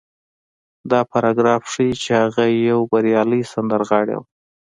دا پاراګراف ښيي چې هغه يوه بريالۍ سندرغاړې وه.